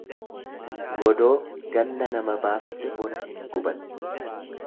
Godoo ganna nama baaste bona hin guban.